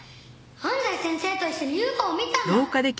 安西先生と一緒にＵＦＯを見たんだ！